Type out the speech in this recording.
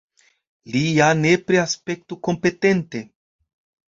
Li ja nepre aspektu kompetente.